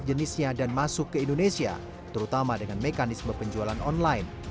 jenisnya dan masuk ke indonesia terutama dengan mekanisme penjualan online